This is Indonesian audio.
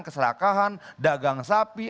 keserakahan dagang sapi